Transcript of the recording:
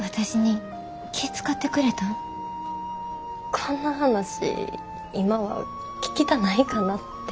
こんな話今は聞きたないかなて。